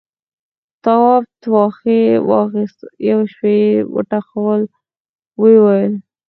تواب ټوخي واخيست، يوه شېبه يې وټوخل، ويې ويل: